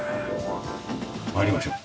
参りましょう。